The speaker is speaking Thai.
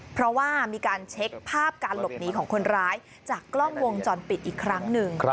เพราะว่ามีการเช็คภาพการหลบหนีของคนร้ายจากกล้องวงจรปิดอีกครั้งหนึ่ง